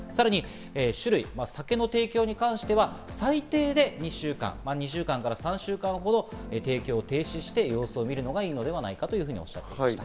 酒類の提供は最低でも２週間から３週間ほど提供を停止して様子を見るのがいいのではないかと、おっしゃっていました。